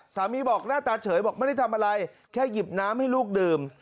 บอกหน้าตาเฉยบอกไม่ได้ทำอะไรแค่หยิบน้ำให้ลูกดื่ม